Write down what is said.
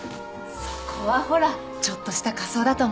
そこはほらちょっとした仮装だと思って。